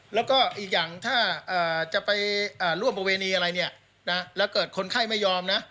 แล้วก็อีกอย่างถ้าจะไปร่วมประเวณีอะไรเนี่ยนะแล้วเกิดคนไข้ไม่ยอมนะ